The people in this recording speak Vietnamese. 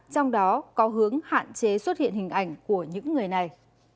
trong đó có hướng hạn chế xuất hiện hình ảnh của những người này